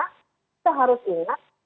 kita harus ingat